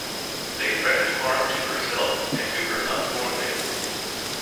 They threatened harm to herself and to her unborn baby.